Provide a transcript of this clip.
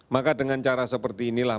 maka dengan cara seperti inilah